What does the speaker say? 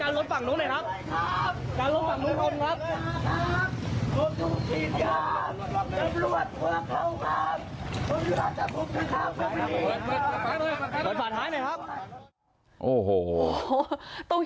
โอ้โหต้องฮิ้วใช้คำว่าฮิ้วจริง